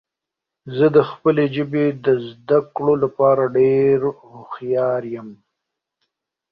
زه د خپلې ژبې د زده کړو لپاره ډیر هوښیار یم.